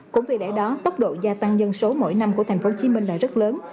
cũng vì lẽ đó tốc độ gia tăng dân số mỗi năm của thành phố hồ chí minh là rất lớn